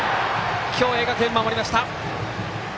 共栄学園、守りました。